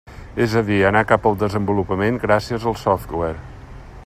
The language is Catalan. És a dir, anar cap al desenvolupament gràcies al software.